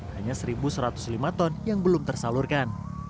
hanya satu satu ratus lima ton yang belum tersalurkan